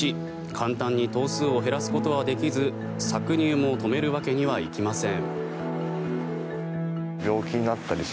簡単に頭数を減らすことはできず搾乳も止めるわけにはいきません。